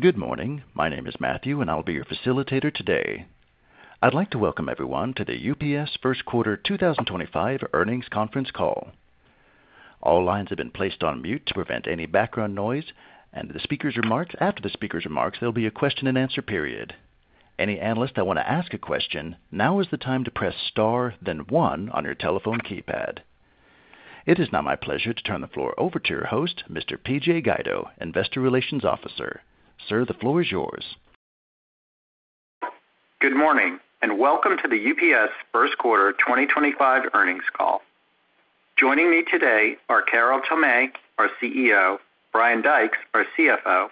Good morning. My name is Matthew, and I'll be your facilitator today. I'd like to welcome everyone to the UPS Q1 2025 earnings conference call. All lines have been placed on mute to prevent any background noise. After the speaker's remarks, there'll be a question-and-answer period. Any analysts that want to ask a question, now is the time to press star, then one on your telephone keypad. It is now my pleasure to turn the floor over to your host, Mr. PJ Guido, Investor Relations Officer. Sir, the floor is yours. Good morning and welcome to the UPS Q1 2025 earnings call. Joining me today are Carol Tomé, our CEO, Brian Dykes, our CFO,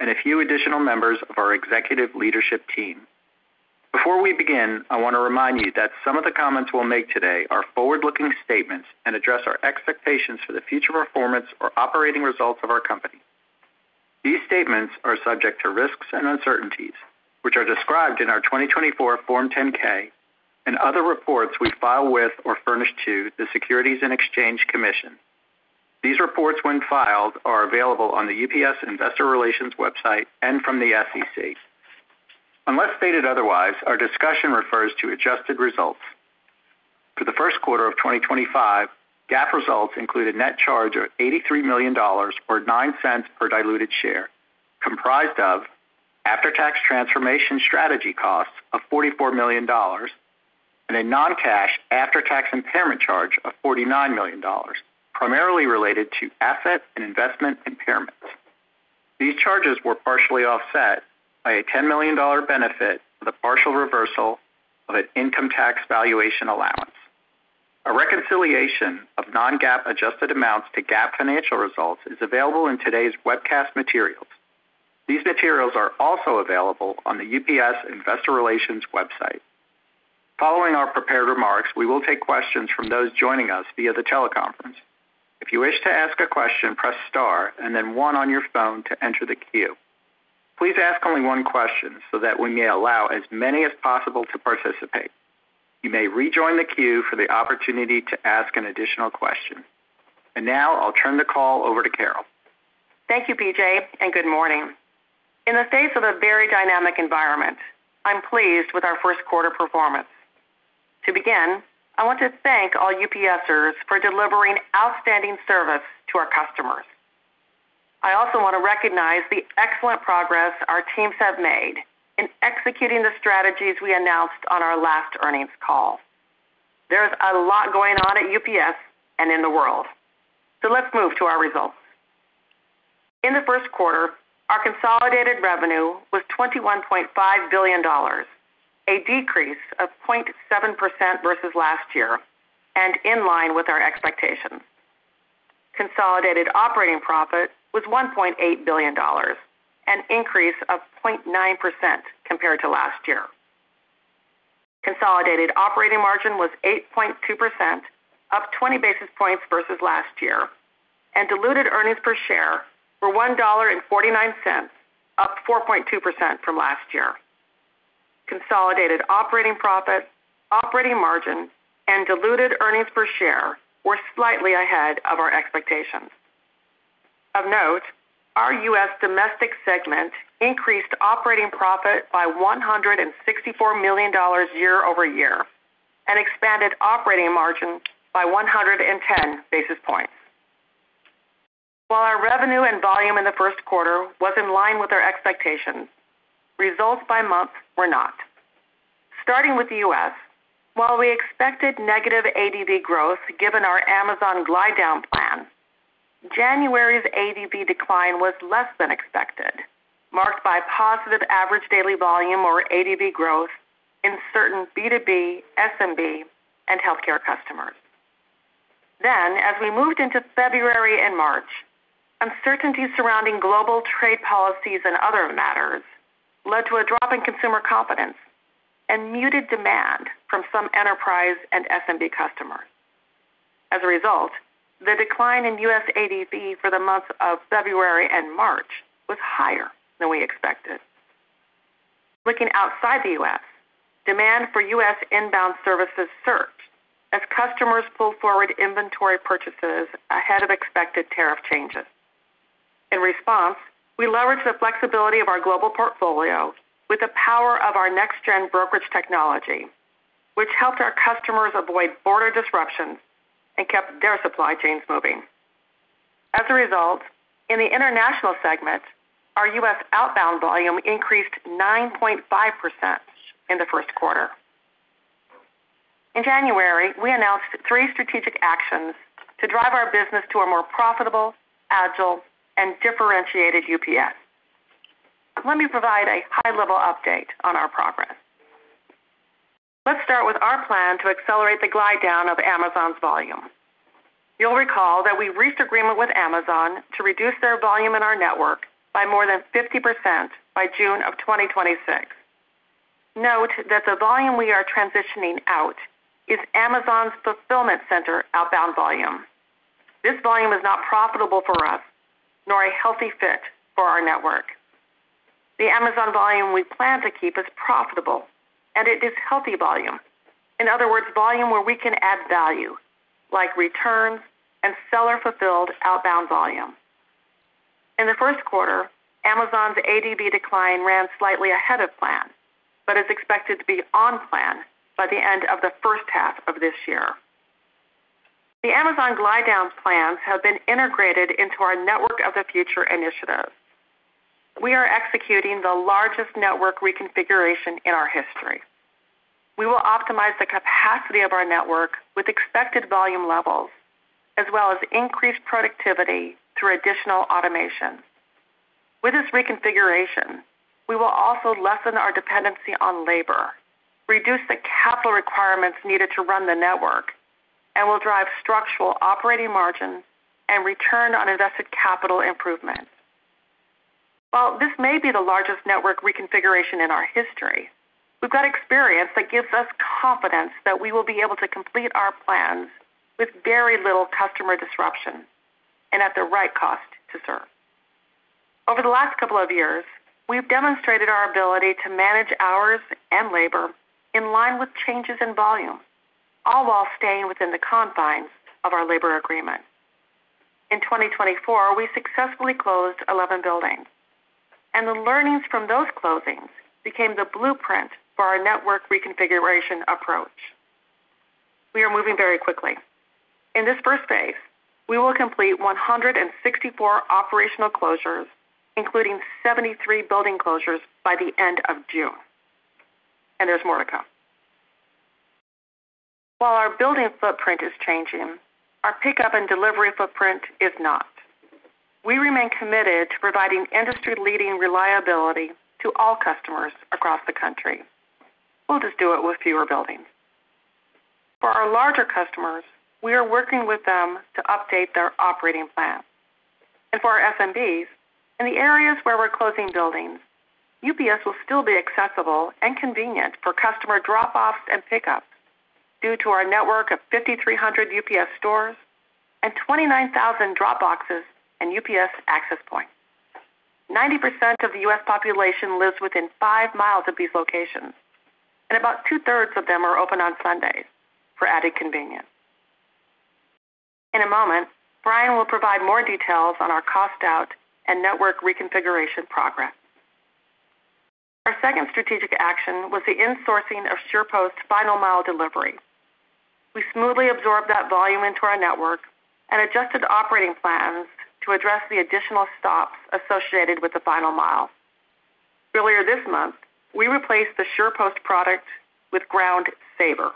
and a few additional members of our executive leadership team. Before we begin, I want to remind you that some of the comments we'll make today are forward-looking statements and address our expectations for the future performance or operating results of our company. These statements are subject to risks and uncertainties, which are described in our 2024 Form 10-K and other reports we file with or furnish to the Securities and Exchange Commission. These reports, when filed, are available on the UPS Investor Relations website and from the SEC. Unless stated otherwise, our discussion refers to adjusted results. For the Q1 of 2025, GAAP results included a net charge of $83 million or $0.09 per diluted share, comprised of after-tax transformation strategy costs of $44 million, and a non-cash after-tax impairment charge of $49 million, primarily related to asset and investment impairments. These charges were partially offset by a $10 million benefit for the partial reversal of an income tax valuation allowance. A reconciliation of non-GAAP adjusted amounts to GAAP financial results is available in today's webcast materials. These materials are also available on the UPS Investor Relations website. Following our prepared remarks, we will take questions from those joining us via the teleconference. If you wish to ask a question, press star and then one on your phone to enter the queue. Please ask only one question so that we may allow as many as possible to participate. You may rejoin the queue for the opportunity to ask an additional question. I will now turn the call over to Carol. Thank you, PJ, and good morning. In the face of a very dynamic environment, I'm pleased with our Q1 performance. To begin, I want to thank all UPSers for delivering outstanding service to our customers. I also want to recognize the excellent progress our teams have made in executing the strategies we announced on our last earnings call. There is a lot going on at UPS and in the world, so let's move to our results. In the first quarter our consolidated revenue was $21.5 billion, a decrease of 0.7% versus last year, and in line with our expectations. Consolidated operating profit was $1.8 billion, an increase of 0.9% compared to last year. Consolidated operating margin was 8.2%, up 20 basis points versus last year, and diluted earnings per share were $1.49, up 4.2% from last year. Consolidated operating profit, operating margin, and diluted earnings per share were slightly ahead of our expectations. Of note, our U.S. Domestic segment increased operating profit by $164 million year-over-year and expanded operating margin by 110 basis points. While our revenue and volume in the Q1 was in line with our expectations, results by month were not. Starting with the U.S., while we expected negative ADV growth given our Amazon glide-down plan, January's ADV decline was less than expected, marked by positive average daily volume or ADV growth in certain B2B, SMB, and healthcare customers. As we moved into February and March, uncertainty surrounding global trade policies and other matters led to a drop in consumer confidence and muted demand from some enterprise and SMB customers. As a result, the decline in U.S. ADV for the months of February and March was higher than we expected. Looking outside the U.S., demand for U.S. inbound services surged as customers pulled forward inventory purchases ahead of expected tariff changes. In response, we leveraged the flexibility of our global portfolio with the power of our next-gen brokerage technology, which helped our customers avoid border disruptions and kept their supply chains moving. As a result, in the International segment, our U.S. outbound volume increased 9.5% in the first quarter. In January, we announced three strategic actions to drive our business to a more profitable, agile, and differentiated UPS. Let me provide a high-level update on our progress. Let's start with our plan to accelerate the glide-down of Amazon's volume. You'll recall that we reached agreement with Amazon to reduce their volume in our network by more than 50% by June of 2026. Note that the volume we are transitioning out is Amazon's fulfillment center outbound volume. This volume is not profitable for us, nor a healthy fit for our network. The Amazon volume we plan to keep is profitable, and it is healthy volume. In other words, volume where we can add value, like returns and seller-fulfilled outbound volume. In the first quarter, Amazon's ADV decline ran slightly ahead of plan, but is expected to be on plan by the end of the first half of this year. The Amazon glide-down plans have been integrated into our Network of the Future initiative. We are executing the largest network reconfiguration in our history. We will optimize the capacity of our network with expected volume levels, as well as increase productivity through additional automation. With this reconfiguration, we will also lessen our dependency on labor, reduce the capital requirements needed to run the network, and will drive structural operating margin and return on invested capital improvements. While this may be the largest network reconfiguration in our history, we've got experience that gives us confidence that we will be able to complete our plans with very little customer disruption and at the right cost to serve. Over the last couple of years, we've demonstrated our ability to manage hours and labor in line with changes in volume, all while staying within the confines of our labor agreement. In 2024, we successfully closed 11 buildings, and the learnings from those closings became the blueprint for our network reconfiguration approach. We are moving very quickly. In this first phase, we will complete 164 operational closures, including 73 building closures by the end of June. There is more to come. While our building footprint is changing, our pickup and delivery footprint is not. We remain committed to providing industry-leading reliability to all customers across the country. We'll just do it with fewer buildings. For our larger customers, we are working with them to update their operating plan. For our SMBs, in the areas where we're closing buildings, UPS will still be accessible and convenient for customer drop-offs and pickups due to our network of 5,300 UPS stores and 29,000 drop boxes and UPS access points. 90% of the U.S. population lives within five miles of these locations, and about two-thirds of them are open on Sundays for added convenience. In a moment, Brian will provide more details on our cost out and network reconfiguration progress. Our second strategic action was the insourcing of SurePost final mile delivery. We smoothly absorbed that volume into our network and adjusted operating plans to address the additional stops associated with the final mile. Earlier this month, we replaced the SurePost product with Ground Saver.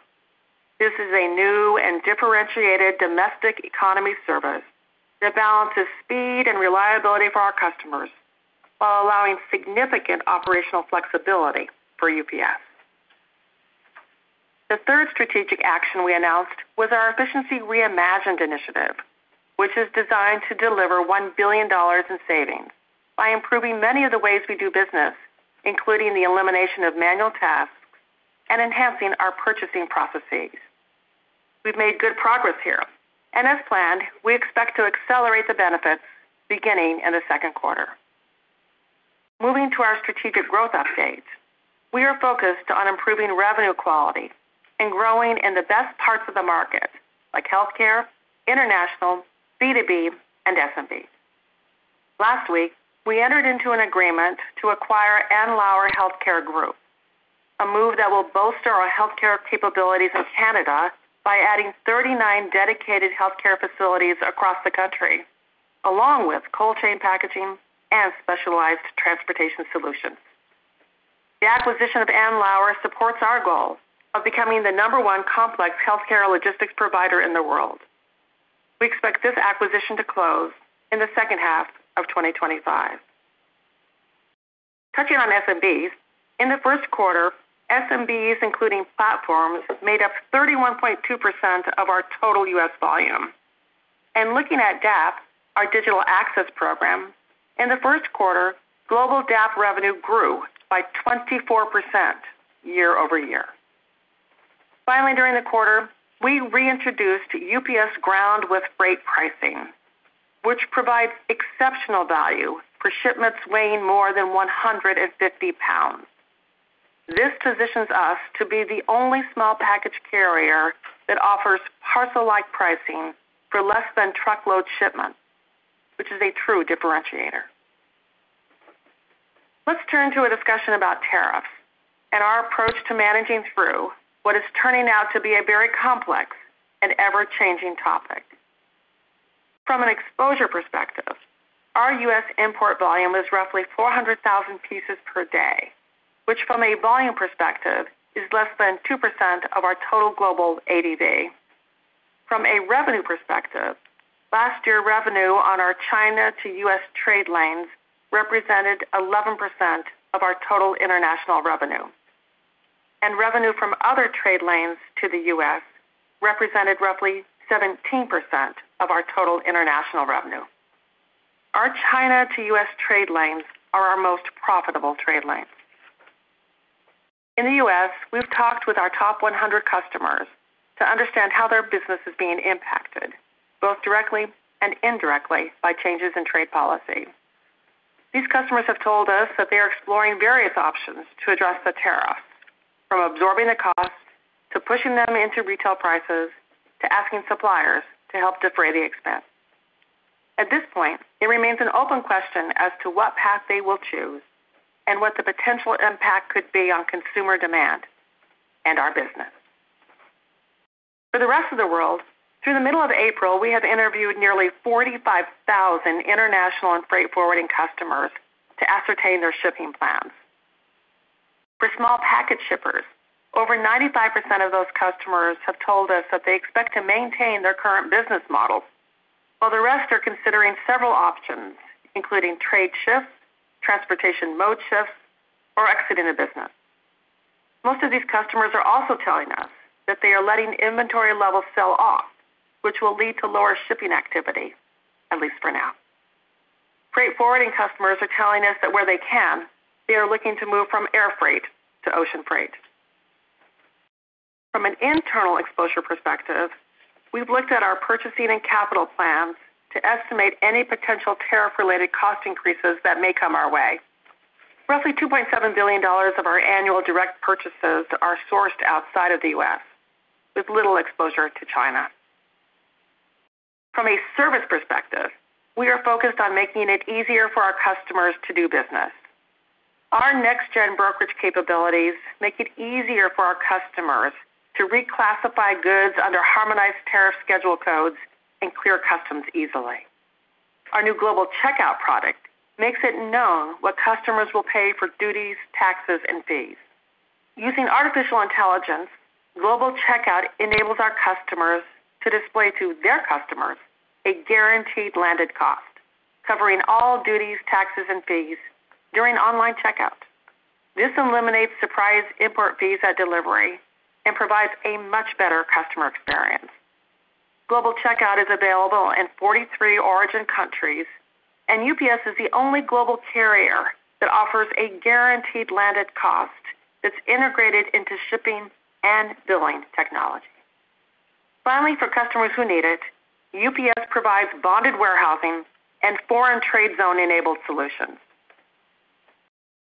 This is a new and differentiated domestic economy service that balances speed and reliability for our customers while allowing significant operational flexibility for UPS. The third strategic action we announced was our Efficiency Reimagined initiative, which is designed to deliver $1 billion in savings by improving many of the ways we do business, including the elimination of manual tasks and enhancing our purchasing processes. We've made good progress here, and as planned, we expect to accelerate the benefits beginning in the second quarter. Moving to our strategic growth updates, we are focused on improving revenue quality and growing in the best parts of the market, like healthcare, international, B2B, and SMB. Last week, we entered into an agreement to acquire Andlauer Healthcare Group, a move that will bolster our healthcare capabilities in Canada by adding 39 dedicated healthcare facilities across the country, along with cold chain packaging and specialized transportation solutions. The acquisition of Andlauer supports our goal of becoming the number one complex healthcare logistics provider in the world. We expect this acquisition to close in the second half of 2025. Touching on SMBs, in the first quarter, SMBs, including platforms, made up 31.2% of our total U.S. volume. In looking at DAP, our Digital Access Program, in the first quarter, global DAP revenue grew by 24% year-over-year. Finally, during the quarter, we reintroduced UPS Ground with Freight Pricing, which provides exceptional value for shipments weighing more than 150 pounds. This positions us to be the only small package carrier that offers parcel-like pricing for less than truckload shipments, which is a true differentiator. Let's turn to a discussion about tariffs and our approach to managing through what is turning out to be a very complex and ever-changing topic. From an exposure perspective, our U.S. import volume is roughly 400,000 pieces per day, which from a volume perspective is less than 2% of our total global ADV. From a revenue perspective, last year revenue on our China to U.S. trade lanes represented 11% of our total international revenue, and revenue from other trade lanes to the U.S. represented roughly 17% of our total international revenue. Our China to U.S. trade lanes are our most profitable trade lanes. In the U.S., we've talked with our top 100 customers to understand how their business is being impacted, both directly and indirectly, by changes in trade policy. These customers have told us that they are exploring various options to address the tariffs, from absorbing the cost to pushing them into retail prices to asking suppliers to help defray the expense. At this point, it remains an open question as to what path they will choose and what the potential impact could be on consumer demand and our business. For the rest of the world, through the middle of April, we have interviewed nearly 45,000 international and freight forwarding customers to ascertain their shipping plans. For small package shippers, over 95% of those customers have told us that they expect to maintain their current business models, while the rest are considering several options, including trade shifts, transportation mode shifts, or exiting the business. Most of these customers are also telling us that they are letting inventory levels sell off, which will lead to lower shipping activity, at least for now. Freight forwarding customers are telling us that where they can, they are looking to move from Air freight to ocean freight. From an internal exposure perspective, we've looked at our purchasing and capital plans to estimate any potential tariff-related cost increases that may come our way. Roughly $2.7 billion of our annual direct purchases are sourced outside of the U.S., with little exposure to China. From a service perspective, we are focused on making it easier for our customers to do business. Our next-gen brokerage capabilities make it easier for our customers to reclassify goods under Harmonized Tariff Schedule codes and clear customs easily. Our new Global Checkout product makes it known what customers will pay for duties, taxes, and fees. Using artificial intelligence, Global Checkout enables our customers to display to their customers a guaranteed landed cost, covering all duties, taxes, and fees during online checkout. This eliminates surprise import fees at delivery and provides a much better customer experience. Global Checkout is available in 43 origin countries, and UPS is the only global carrier that offers a guaranteed landed cost that's integrated into shipping and billing technology. Finally, for customers who need it, UPS provides bonded warehousing and foreign trade zone-enabled solutions.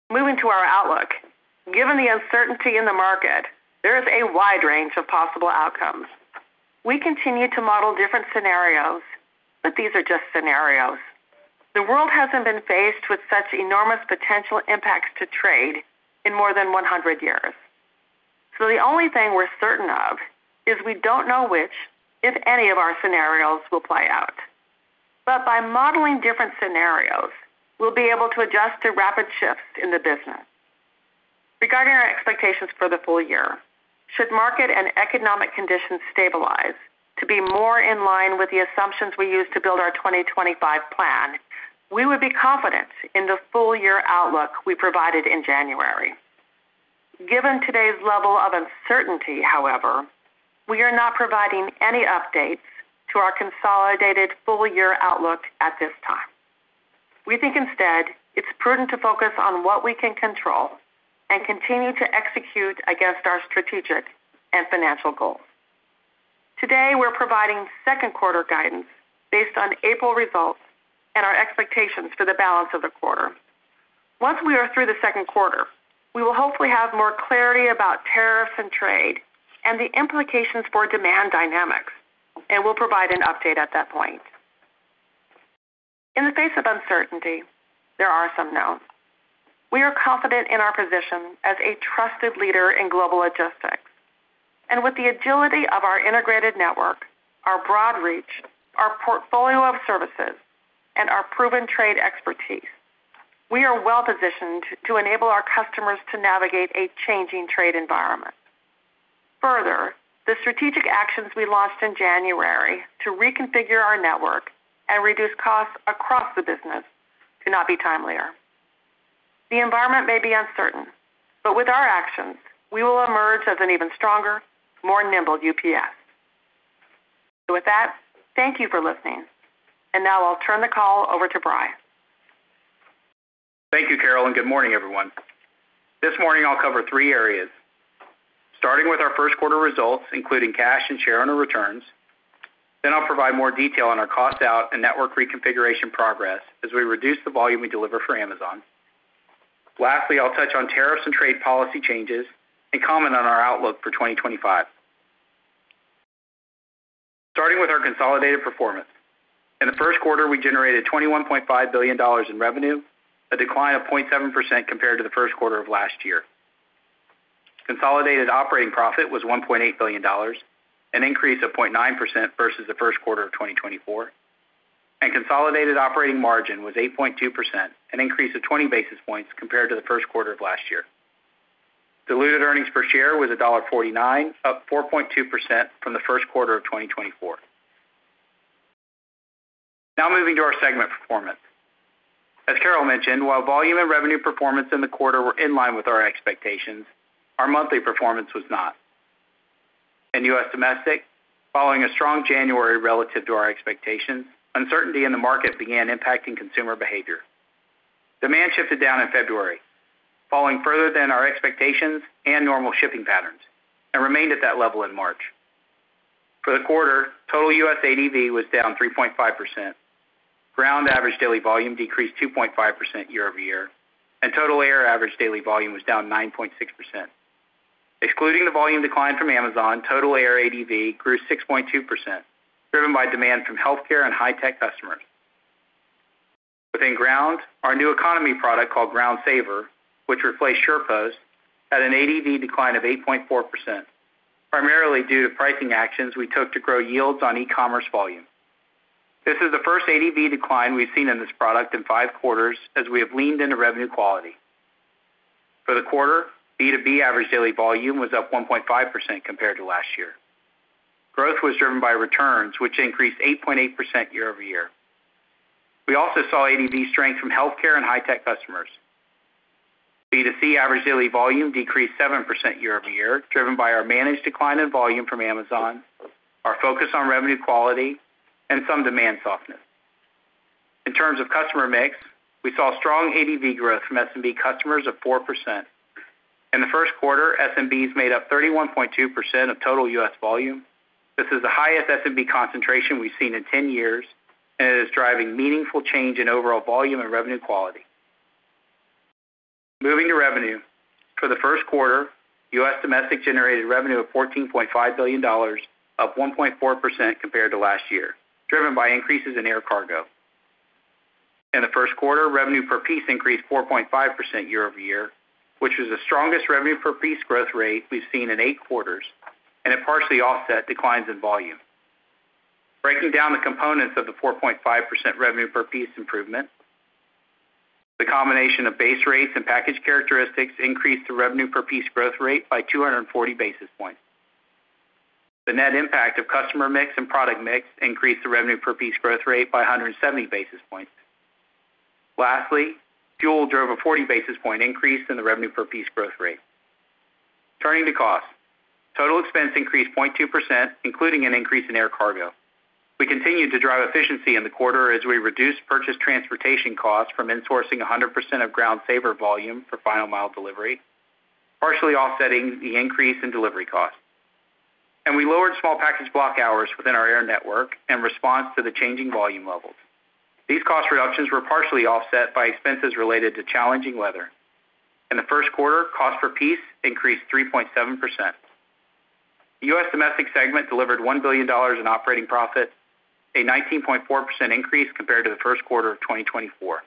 Moving to our outlook, given the uncertainty in the market, there is a wide range of possible outcomes. We continue to model different scenarios, but these are just scenarios. The world has not been faced with such enormous potential impacts to trade in more than 100 years. The only thing we're certain of is we do not know which, if any, of our scenarios will play out. By modeling different scenarios, we will be able to adjust to rapid shifts in the business. Regarding our expectations for the full year, should market and economic conditions stabilize to be more in line with the assumptions we used to build our 2025 plan, we would be confident in the full year outlook we provided in January. Given today's level of uncertainty, however, we are not providing any updates to our consolidated full year outlook at this time. We think instead it is prudent to focus on what we can control and continue to execute against our strategic and financial goals. Today, we're providing second quarter guidance based on April results and our expectations for the balance of the quarter. Once we are through the second quarter, we will hopefully have more clarity about tariffs and trade and the implications for demand dynamics, and we'll provide an update at that point. In the face of uncertainty, there are some notes. We are confident in our position as a trusted leader in global logistics. With the agility of our integrated network, our broad reach, our portfolio of services, and our proven trade expertise, we are well positioned to enable our customers to navigate a changing trade environment. Further, the strategic actions we launched in January to reconfigure our network and reduce costs across the business could not be timelier. The environment may be uncertain, but with our actions, we will emerge as an even stronger, more nimble UPS. Thank you for listening. Now I'll turn the call over to Brian. Thank you, Carol, and good morning, everyone. This morning, I'll cover three areas, starting with our first quarter results, including cash and shareholder returns. I'll provide more detail on our cost out and network reconfiguration progress as we reduce the volume we deliver for Amazon. Lastly, I'll touch on tariffs and trade policy changes and comment on our outlook for 2025. Starting with our consolidated performance, in the first quarter we generated $21.5 billion in revenue, a decline of 0.7% compared to the first quarter of last year. Consolidated operating profit was $1.8 billion, an increase of 0.9% versus the first quarter of 2024. Consolidated operating margin was 8.2%, an increase of 20 basis points compared to the first quarter of last year. Diluted earnings per share was $1.49, up 4.2% from the first quarter of 2024. Now moving to our segment performance. As Carol mentioned, while volume and revenue performance in the quarter were in line with our expectations, our monthly performance was not. In U.S. domestic, following a strong January relative to our expectations, uncertainty in the market began impacting consumer behavior. Demand shifted down in February, falling further than our expectations and normal shipping patterns, and remained at that level in March. For the quarter, total U.S. ADV was down 3.5%. Ground average daily volume decreased 2.5% year-over-year, and total air average daily volume was down 9.6%. Excluding the volume decline from Amazon, total air ADV grew 6.2%, driven by demand from healthcare and high-tech customers. Within Ground, our new economy product called Ground Saver, which replaced SurePost, had an ADV decline of 8.4%, primarily due to pricing actions we took to grow yields on e-commerce volume. This is the first ADV decline we've seen in this product in five quarters as we have leaned into revenue quality. For the quarter, B2B average daily volume was up 1.5% compared to last year. Growth was driven by returns, which increased 8.8% year-over-year. We also saw ADV strength from healthcare and high-tech customers. B2C average daily volume decreased 7% year-over-year, driven by our managed decline in volume from Amazon, our focus on revenue quality, and some demand softness. In terms of customer mix, we saw strong ADV growth from SMB customers of 4%. In the first quarter, SMBs made up 31.2% of total U.S. volume. This is the highest SMB concentration we've seen in 10 years, and it is driving meaningful change in overall volume and revenue quality. Moving to revenue, for the first quarter, U.S. domestic generated revenue of $14.5 billion, up 1.4% compared to last year, driven by increases in air cargo. In the first quarte, revenue per piece increased 4.5% year-over-year, which was the strongest revenue per piece growth rate we've seen in eight quarters, and it partially offset declines in volume. Breaking down the components of the 4.5% revenue per piece improvement, the combination of base rates and package characteristics increased the revenue per piece growth rate by 240 basis points. The net impact of customer mix and product mix increased the revenue per piece growth rate by 170 basis points. Lastly, fuel drove a 40 basis point increase in the revenue per piece growth rate. Turning to costs, total expense increased 0.2%, including an increase in air cargo. We continued to drive efficiency in the quarter as we reduced purchased transportation costs from insourcing 100% of Ground Saver volume for final mile delivery, partially offsetting the increase in delivery costs. We lowered small package block hours within our air network in response to the changing volume levels. These cost reductions were partially offset by expenses related to challenging weather. In the first quarter, cost per piece increased 3.7%. U.S. domestic segment delivered $1 billion in operating profit; a 19.4% increase compared to the first quarter of 2024.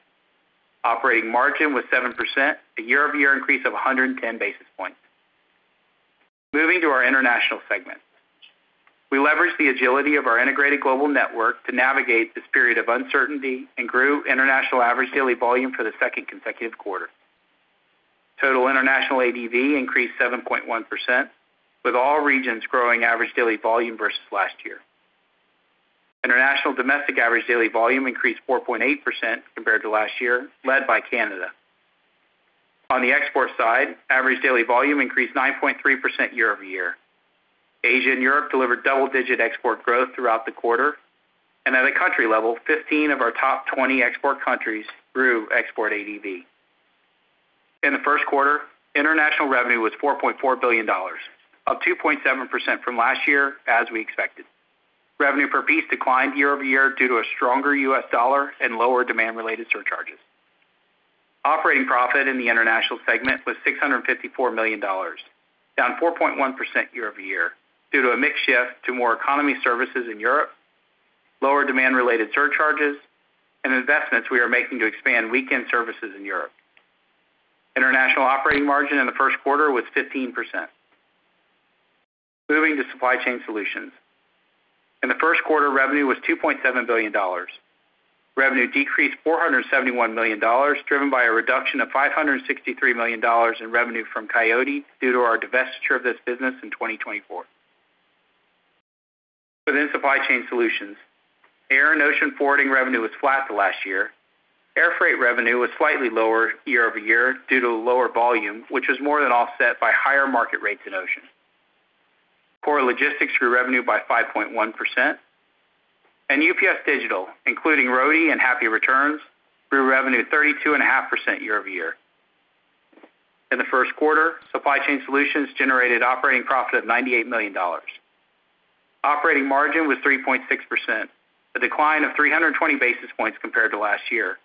Operating margin was 7%, a year-over-year increase of 110 basis points. Moving to our international segment, we leveraged the agility of our integrated global network to navigate this period of uncertainty and grew international average daily volume for the second consecutive quarter. Total international ADV increased 7.1%, with all regions growing average daily volume versus last year. International domestic average daily volume increased 4.8% compared to last year, led by Canada. On the export side, average daily volume increased 9.3% year-over-year. Asia and Europe delivered double-digit export growth throughout the quarter. At a country level, 15 of our top 20 export countries grew export ADV. In the first quarter, international revenue was $4.4 billion, up 2.7% from last year, as we expected. Revenue per piece declined year-over-year due to a stronger U.S. dollar and lower demand-related surcharges. Operating profit in the international segment was $654 million, down 4.1% year-over-year, due to a mixed shift to more economy services in Europe, lower demand-related surcharges, and investments we are making to expand weekend services in Europe. International operating margin in the first quarter was 15%. Moving to Supply Chain Solutions. In the first quarter, revenue was $2.7 billion. Revenue decreased $471 million, driven by a reduction of $563 million in revenue from Coyote due to our divestiture of this business in 2024. Within Supply Chain Solutions, air and ocean forwarding revenue was flat the last year. Air freight revenue was slightly lower year-over-year due to lower volume, which was more than offset by higher market rates in ocean. Core logistics grew revenue by 5.1%. UPS Digital, including Roadie and Happy Returns, grew revenue 32.5% year-over-year. In the Q1, Supply Chain Solutions generated operating profit of $98 million. Operating margin was 3.6%, a decline of 320 basis points compared to last year,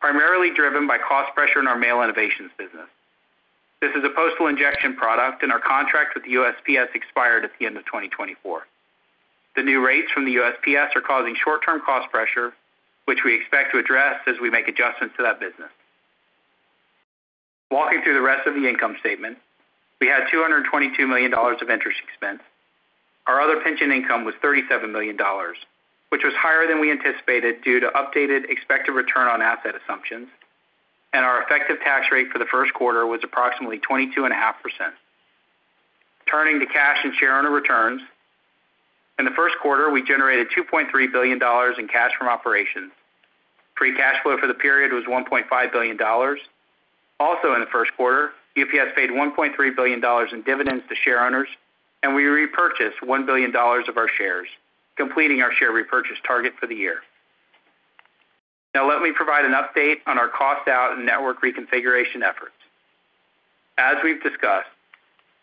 primarily driven by cost pressure in our Mail Innovations business. This is a postal injection product, and our contract with the USPS expired at the end of 2024. The new rates from the USPS are causing short-term cost pressure, which we expect to address as we make adjustments to that business. Walking through the rest of the income statement, we had $222 million of interest expense. Our other pension income was $37 million, which was higher than we anticipated due to updated expected return on asset assumptions. Our effective tax rate for the first quarter was approximately 22.5%. Turning to cash and shareholder returns, in the Q1, we generated $2.3 billion in cash from operations. Free cash flow for the period was $1.5 billion. Also, in the first quarter, UPS paid $1.3 billion in dividends to share owners, and we repurchased $1 billion of our shares, completing our share repurchase target for the year. Now, let me provide an update on our cost out and network reconfiguration efforts. As we've discussed,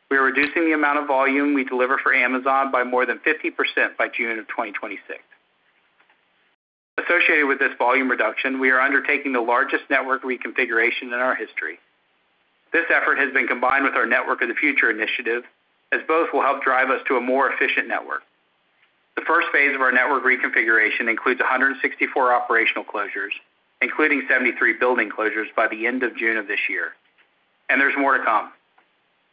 we are reducing the amount of volume we deliver for Amazon by more than 50% by June of 2026. Associated with this volume reduction, we are undertaking the largest network reconfiguration in our history. This effort has been combined with our Network of the Future initiative, as both will help drive us to a more efficient network. The first phase of our network reconfiguration includes 164 operational closures, including 73 building closures by the end of June of this year. There is more to come.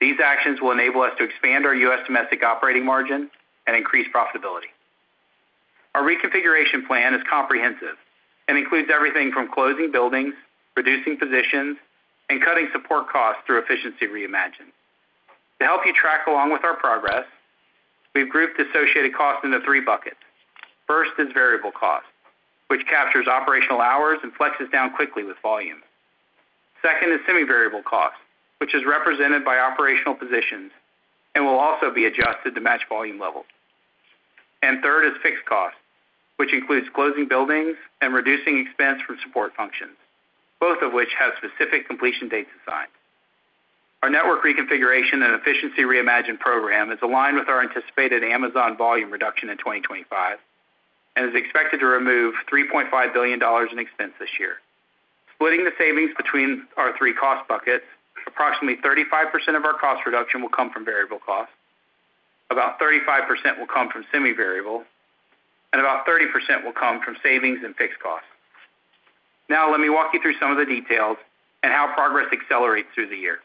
These actions will enable us to expand our U.S. domestic operating margin and increase profitability. Our reconfiguration plan is comprehensive and includes everything from closing buildings, reducing positions, and cutting support costs through efficiency reimagined. To help you track along with our progress, we've grouped associated costs into three buckets. First is variable cost, which captures operational hours and flexes down quickly with volume. Second is semi-variable cost, which is represented by operational positions and will also be adjusted to match volume levels. Third is fixed cost, which includes closing buildings and reducing expense from support functions, both of which have specific completion dates assigned. Our network reconfiguration and efficiency reimagined program is aligned with our anticipated Amazon volume reduction in 2025 and is expected to remove $3.5 billion in expense this year. Splitting the savings between our three cost buckets, approximately 35% of our cost reduction will come from variable cost, about 35% will come from semi-variable, and about 30% will come from savings in fixed costs. Now, let me walk you through some of the details and how progress accelerates through the year.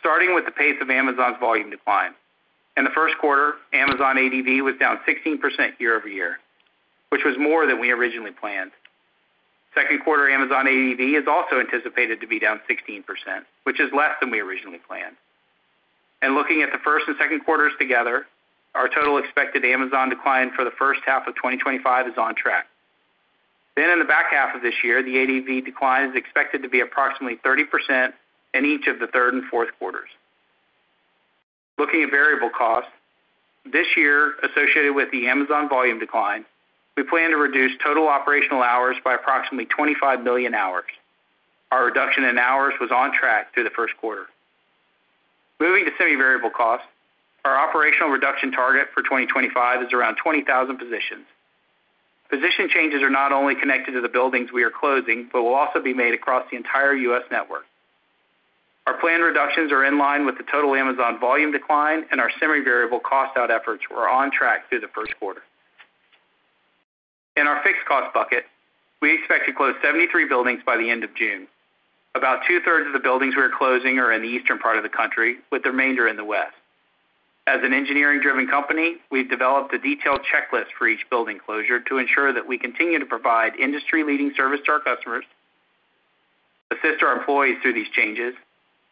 Starting with the pace of Amazon's volume decline. In the first quarter, Amazon ADV was down 16% year-over-year, which was more than we originally planned. Second quarter, Amazon ADV is also anticipated to be down 16%, which is less than we originally planned. Looking at the first and second quarter together, our total expected Amazon decline for the first half of 2025 is on track. In the back half of this year, the ADV decline is expected to be approximately 30% in each of the third and fourth quarters. Looking at variable cost, this year, associated with the Amazon volume decline, we plan to reduce total operational hours by approximately 25 million hours. Our reduction in hours was on track through the first quarter. Moving to semi-variable cost, our operational reduction target for 2025 is around 20,000 positions. Position changes are not only connected to the buildings we are closing but will also be made across the entire U.S. network. Our planned reductions are in line with the total Amazon volume decline, and our semi-variable cost out efforts were on track through the first quarter In our fixed cost bucket, we expect to close 73 buildings by the end of June. About two-thirds of the buildings we are closing are in the eastern part of the country, with the remainder in the west. As an engineering-driven company, we've developed a detailed checklist for each building closure to ensure that we continue to provide industry-leading service to our customers, assist our employees through these changes,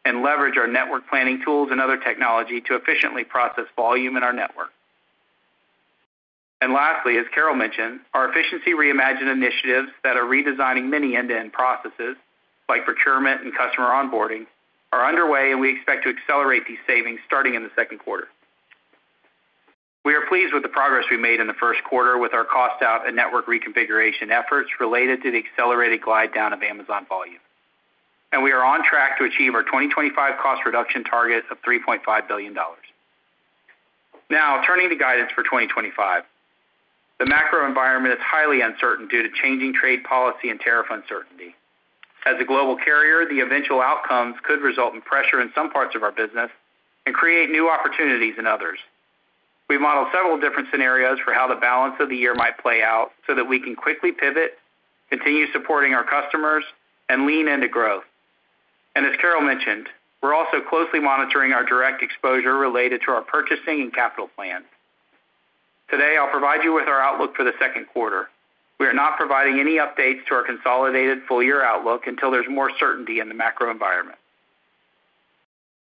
and leverage our network planning tools and other technology to efficiently process volume in our network. Lastly, as Carol mentioned, our efficiency reimagined initiatives that are redesigning many end-to-end processes, like procurement and customer onboarding, are underway, and we expect to accelerate these savings starting in the second quarter. We are pleased with the progress we made in the first quarter with our cost out and network reconfiguration efforts related to the accelerated glide down of Amazon volume. We are on track to achieve our 2025 cost reduction target of $3.5 billion. Now, turning to guidance for 2025, the macro environment is highly uncertain due to changing trade policy and tariff uncertainty. As a global carrier, the eventual outcomes could result in pressure in some parts of our business and create new opportunities in others. We have modeled several different scenarios for how the balance of the year might play out so that we can quickly pivot, continue supporting our customers, and lean into growth. As Carol mentioned, we're also closely monitoring our direct exposure related to our purchasing and capital plans. Today, I'll provide you with our outlook for the second quarter. We are not providing any updates to our consolidated full-year outlook until there's more certainty in the macro environment.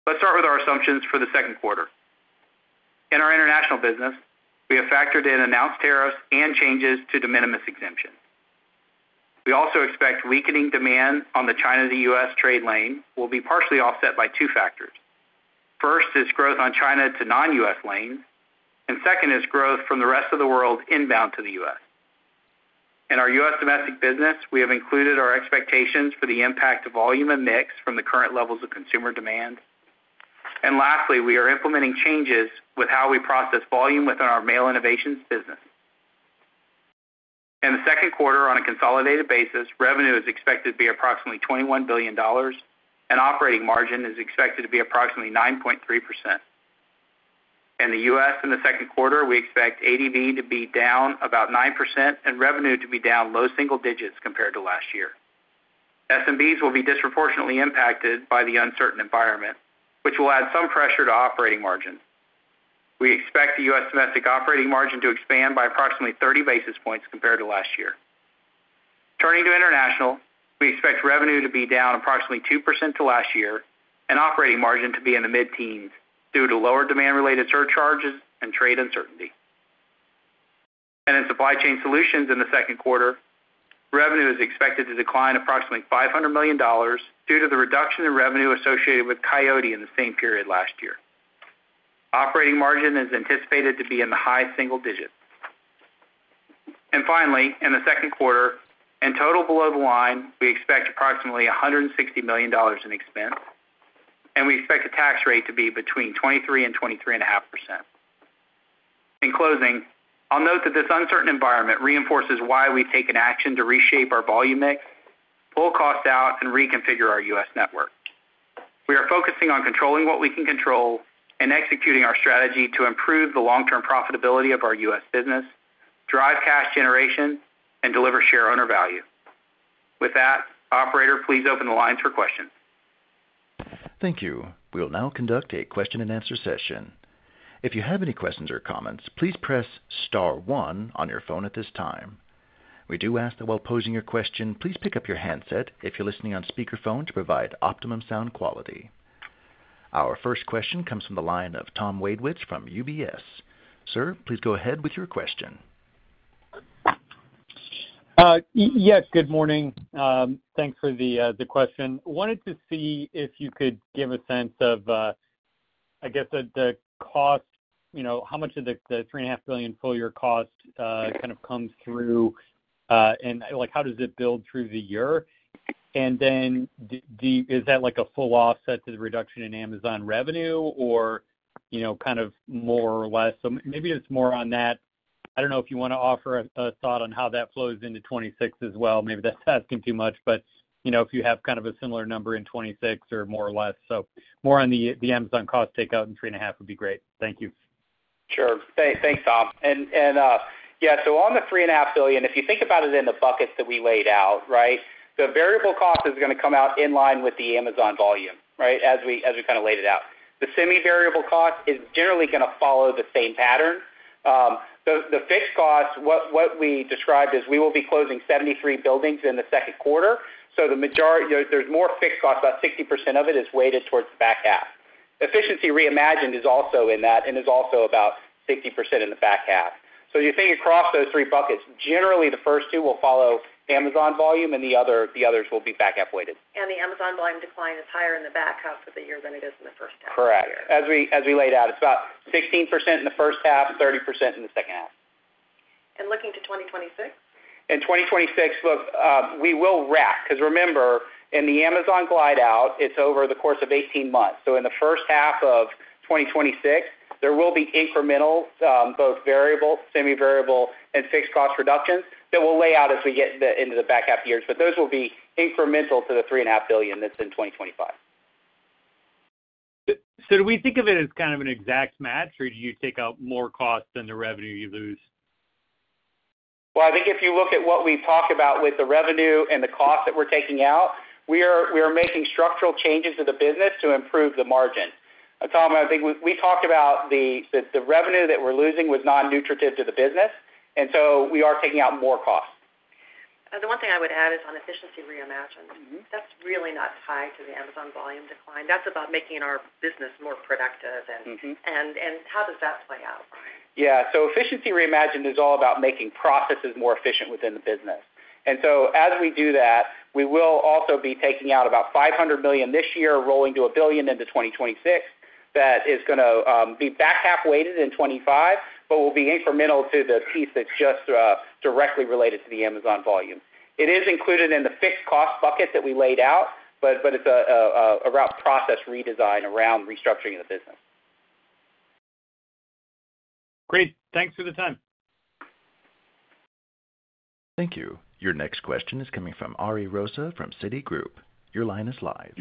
Let's start with our assumptions for the second quarter. In our international business, we have factored in announced tariffs and changes to de minimis exemptions. We also expect weakening demand on the China to U.S. trade lane will be partially offset by two factors. First is growth on China to non-U.S. lanes, and second is growth from the rest of the world inbound to the U.S. In our U.S. domestic business, we have included our expectations for the impact of volume and mix from the current levels of consumer demand. Lastly, we are implementing changes with how we process volume within our mail innovations business. In the second quarter, on a consolidated basis, revenue is expected to be approximately $21 billion, and operating margin is expected to be approximately 9.3%. In the U.S., in the second quarter, we expect ADV to be down about 9% and revenue to be down low single digits compared to last year. SMBs will be disproportionately impacted by the uncertain environment, which will add some pressure to operating margins. We expect the U.S. domestic operating margin to expand by approximately 30 basis points compared to last year. Turning to international, we expect revenue to be down approximately 2% to last year and operating margin to be in the mid-teens due to lower demand-related surcharges and trade uncertainty. In supply chain solutions, in the second quarter, revenue is expected to decline approximately $500 million due to the reduction in revenue associated with Coyote in the same period last year. Operating margin is anticipated to be in the high single digits. Finally, in the second quarter, in total below the line, we expect approximately $160 million in expense, and we expect the tax rate to be between 23% and 23.5%. In closing, I'll note that this uncertain environment reinforces why we've taken action to reshape our volume mix, pull cost out, and reconfigure our U.S. network. We are focusing on controlling what we can control and executing our strategy to improve the long-term profitability of our U.S. business, drive cash generation, and deliver shareholder value. With that, Operator, please open the lines for questions. Thank you. We'll now conduct a question-and-answer session. If you have any questions or comments, please press star one on your phone at this time. We do ask that while posing your question, please pick up your handset if you're listening on speakerphone to provide optimum sound quality. Our first question comes from the line of Tom Wadewitz from UBS. Sir, please go ahead with your question. Yes, good morning. Thanks for the question. Wanted to see if you could give a sense of, I guess, the cost, how much of the $3.5 billion full-year cost kind of comes through, and how does it build through the year? Is that like a full offset to the reduction in Amazon revenue, or kind of more or less? Maybe it's more on that. I don't know if you want to offer a thought on how that flows into 2026 as well. Maybe that's asking too much, but if you have kind of a similar number in 2026 or more or less. More on the Amazon cost takeout in $3.5 billion would be great. Thank you. Sure. Thanks, Tom. Yeah, on the $3.5 billion, if you think about it in the buckets that we laid out, the variable cost is going to come out in line with the Amazon volume, right, as we kind of laid it out. The semi-variable cost is generally going to follow the same pattern. The fixed cost, what we described is we will be closing 73 buildings in the second quarter. There is more fixed cost, about 60% of it is weighted towards the back half. Efficiency reimagined is also in that and is also about 60% in the back half. You think across those three buckets, generally, the first two will follow Amazon volume, and the others will be back half weighted. The Amazon volume decline is higher in the back half of the year than it is in the first half. Correct. As we laid out, it's about 16% in the first half, 30% in the second half. Looking to 2026? In 2026, look, we will wrap because remember, in the Amazon glide out, it's over the course of 18 months. In the first half of 2026, there will be incremental, both variable, semi-variable, and fixed cost reductions that we'll lay out as we get into the back half of the year. Those will be incremental to the $3.5 billion that's in 2025. Do we think of it as kind of an exact match, or do you take out more cost than the revenue you lose? I think if you look at what we've talked about with the revenue and the cost that we're taking out, we are making structural changes to the business to improve the margin. Tom, I think we talked about the revenue that we're losing was non-nutritive to the business, and so we are taking out more cost. The one thing I would add is on efficiency reimagined. That's really not tied to the Amazon volume decline. That's about making our business more productive. How does that play out? Yeah. Efficiency reimagined is all about making processes more efficient within the business. As we do that, we will also be taking out about $500 million this year, rolling to a billion into 2026 that is going to be back half weighted in 2025, but will be incremental to the piece that's just directly related to the Amazon volume. It is included in the fixed cost bucket that we laid out, but it's about process redesign around restructuring of the business. Great. Thanks for the time. Thank you. Your next question is coming from Ari Rosa from Citi Group. Your line is live.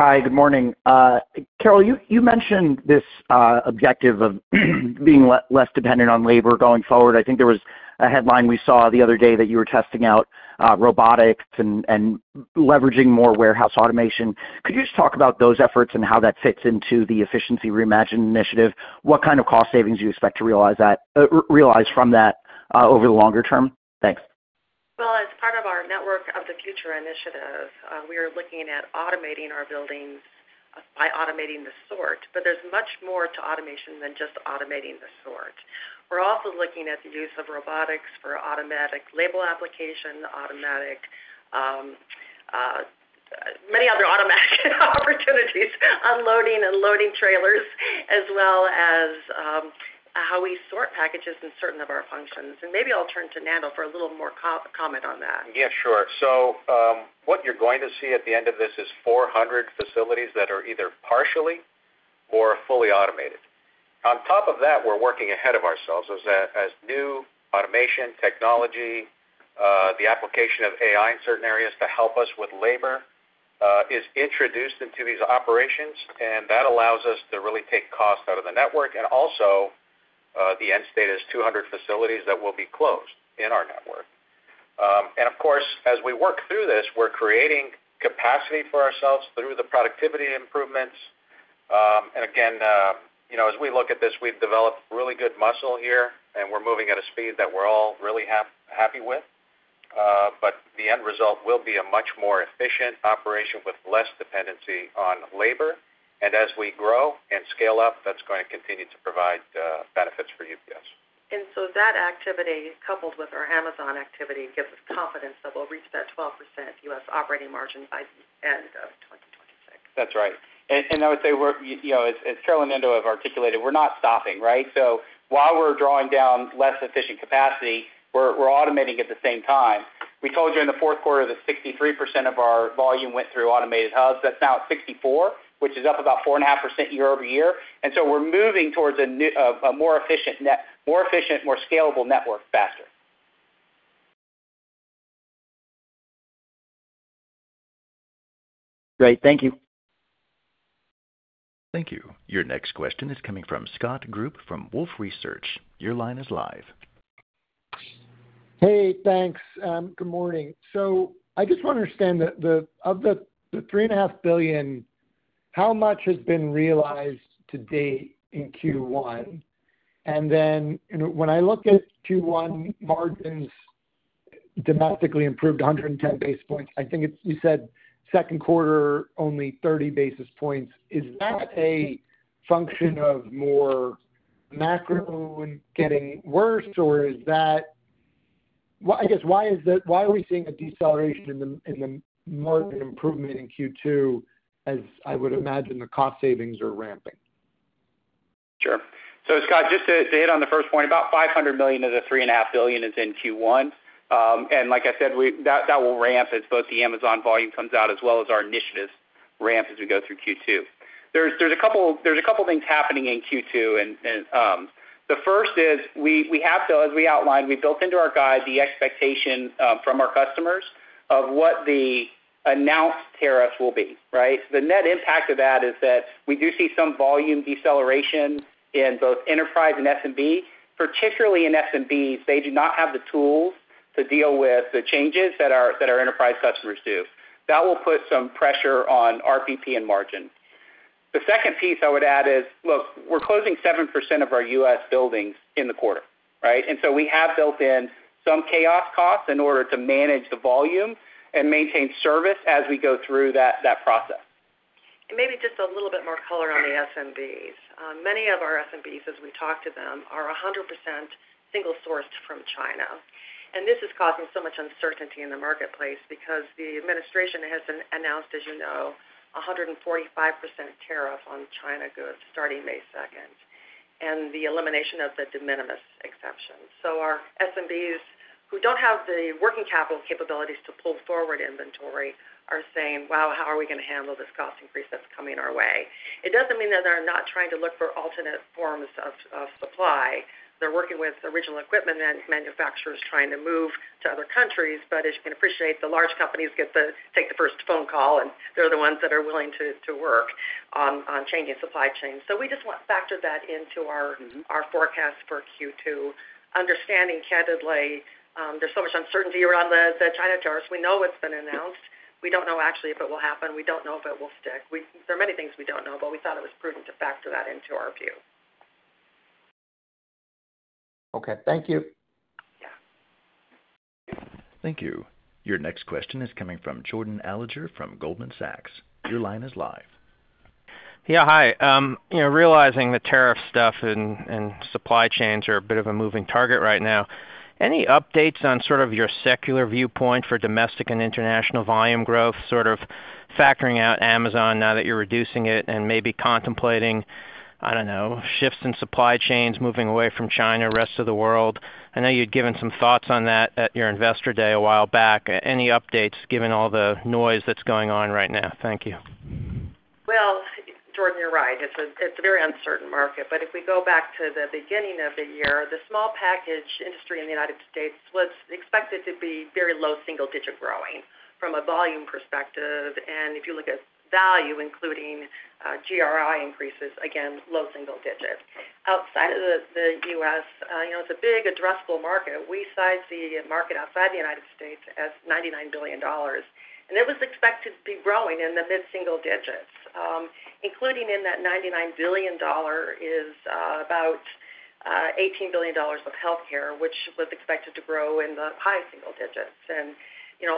Hi, good morning. Carol, you mentioned this objective of being less dependent on labor going forward. I think there was a headline we saw the other day that you were testing out robotics and leveraging more warehouse automation. Could you just talk about those efforts and how that fits into the efficiency reimagined initiative? What kind of cost savings do you expect to realize from that over the longer term? Thanks. As part of our Network of the Future initiative, we are looking at automating our buildings by automating the sort, but there's much more to automation than just automating the sort. We're also looking at the use of robotics for automatic label application, many other automatic opportunities, unloading and loading trailers, as well as how we sort packages in certain of our functions. Maybe I'll turn to Nando for a little more comment on that. Yeah, sure. What you're going to see at the end of this is 400 facilities that are either partially or fully automated. On top of that, we're working ahead of ourselves as new automation technology, the application of AI in certain areas to help us with labor is introduced into these operations, and that allows us to really take cost out of the network. The end state is 200 facilities that will be closed in our network. Of course, as we work through this, we're creating capacity for ourselves through the productivity improvements. Again, as we look at this, we've developed really good muscle here, and we're moving at a speed that we're all really happy with. The end result will be a much more efficient operation with less dependency on labor. As we grow and scale up, that's going to continue to provide benefits for UPS. That activity, coupled with our Amazon activity, gives us confidence that we'll reach that 12% U.S. operating margin by the end of 2026. That's right. I would say, as Carol and Nando have articulated, we're not stopping, right? While we're drawing down less efficient capacity, we're automating at the same time. We told you in the fourth quarter that 63% of our volume went through automated hubs. That's now at 64%, which is up about 4.5% year-over-year. We're moving towards a more efficient, more scalable network faster. Great. Thank you. Thank you. Your next question is coming from Scott Group from Wolfe Research. Your line is live. Hey, thanks. Good morning. I just want to understand of the $3.5 billion, how much has been realized to date in Q1? When I look at Q1 margins domestically improved 110 basis points, I think you said second quarter only 30 basis points. Is that a function of more macro getting worse, or is that, I guess, why are we seeing a deceleration in the margin improvement in Q2, as I would imagine the cost savings are ramping? Sure. Scott, just to hit on the first point, about $500 million of the $3.5 billion is in Q1. Like I said, that will ramp as both the Amazon volume comes out as well as our initiatives ramp as we go through Q2. There are a couple of things happening in Q2. The first is we have, as we outlined, we built into our guide the expectation from our customers of what the announced tariffs will be, right? The net impact of that is that we do see some volume deceleration in both enterprise and SMB, particularly in SMBs. They do not have the tools to deal with the changes that our enterprise customers do. That will put some pressure on RPP and margin. The second piece I would add is, look, we're closing 7% of our U.S. buildings in the quarter, right? We have built in some chaos costs in order to manage the volume and maintain service as we go through that process. Maybe just a little bit more color on the SMBs. Many of our SMBs, as we talk to them, are 100% single-sourced from China. This is causing so much uncertainty in the marketplace because the administration has announced, as you know, a 145% tariff on China goods starting May 2nd and the elimination of the de minimis exception. Our SMBs who don't have the working capital capabilities to pull forward inventory are saying, "Wow, how are we going to handle this cost increase that's coming our way?" It doesn't mean that they're not trying to look for alternate forms of supply. They're working with original equipment manufacturers trying to move to other countries, but as you can appreciate, the large companies take the first phone call, and they're the ones that are willing to work on changing supply chains. We just want to factor that into our forecast for Q2. Understanding candidly, there's so much uncertainty around the China tariffs. We know it's been announced. We don't know actually if it will happen. We don't know if it will stick. There are many things we don't know, but we thought it was prudent to factor that into our view. Okay. Thank you. Thank you. Your next question is coming from Jordan Alliger from Goldman Sachs. Your line is live. Yeah, Hi. Realizing the tariff stuff and supply chains are a bit of a moving target right now, any updates on sort of your secular viewpoint for domestic and international volume growth, sort of factoring out Amazon now that you're reducing it and maybe contemplating, I don't know, shifts in supply chains moving away from China, rest of the world? I know you'd given some thoughts on that at your investor day a while back. Any updates given all the noise that's going on right now? Thank you. Jordan, you're right. It's a very uncertain market. If we go back to the beginning of the year, the small package industry in the United States was expected to be very low single digit growing from a volume perspective. If you look at value, including GRI increases, again, low single digit. Outside of the U.S., it's a big addressable market. We size the market outside the United States as $99 billion. It was expected to be growing in the mid-single digits, including in that $99 billion is about $18 billion of healthcare, which was expected to grow in the high single digits.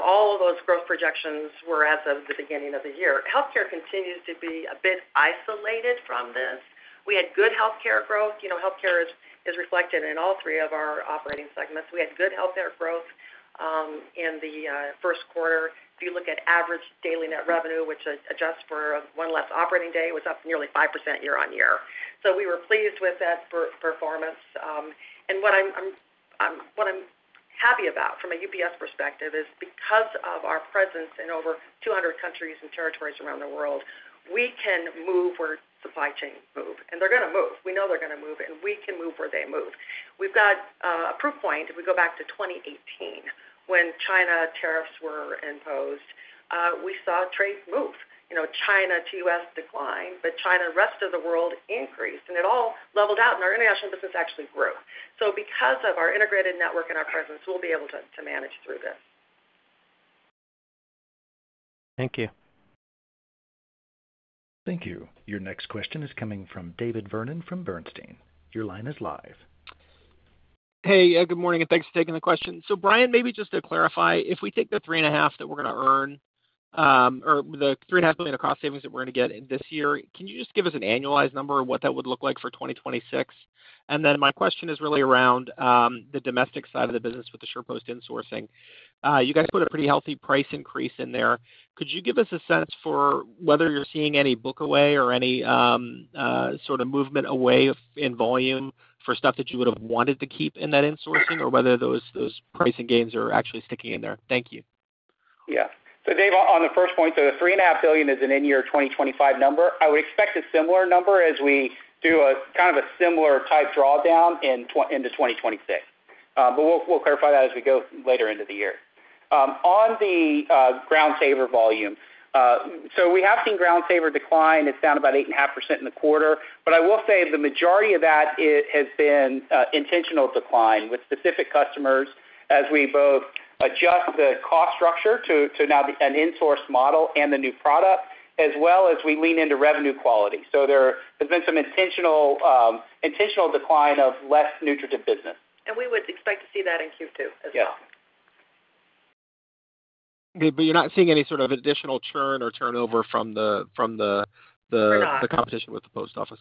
All of those growth projections were as of the beginning of the year. Healthcare continues to be a bit isolated from this. We had good healthcare growth. Healthcare is reflected in all three of our operating segments. We had good healthcare growth in the first quarter. If you look at average daily net revenue, which adjusts for one less operating day, it was up nearly 5% year on year. We were pleased with that performance. What I'm happy about from a UPS perspective is because of our presence in over 200 countries and territories around the world, we can move where supply chains move. They're going to move. We know they're going to move, and we can move where they move. We've got a proof point. If we go back to 2018, when China tariffs were imposed, we saw trade move. China to U.S. declined, but China and the rest of the world increased, and it all leveled out, and our international business actually grew. Because of our integrated network and our presence, we'll be able to manage through this. Thank you. Thank you. Your next question is coming from David Vernon from Bernstein. Your line is live. Hey, good morning, and thanks for taking the question. Brian, maybe just to clarify, if we take the $3.5 billion that we're going to earn or the $3.5 billion of cost savings that we're going to get this year, can you just give us an annualized number of what that would look like for 2026? My question is really around the domestic side of the business with the SurePost insourcing. You guys put a pretty healthy price increase in there. Could you give us a sense for whether you're seeing any book away or any sort of movement away in volume for stuff that you would have wanted to keep in that insourcing, or whether those pricing gains are actually sticking in there? Thank you. Yeah. David, on the first point, the $3.5 billion is an end year 2025 number. I would expect a similar number as we do kind of a similar type drawdown into 2026. We will clarify that as we go later into the year. On the Ground Saver volume, we have seen Ground Saver decline. It is down about 8.5% in the quarter. I will say the majority of that has been intentional decline with specific customers as we both adjust the cost structure to now an insourced model and the new product, as well as we lean into revenue quality. There has been some intentional decline of less nutritive business. We would expect to see that in Q2 as well. Yeah. You are not seeing any sort of additional churn or turnover from the competition with the post office?